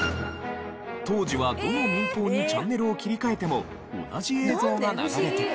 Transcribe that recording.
当時はどの民放にチャンネルを切り替えても同じ映像が流れている。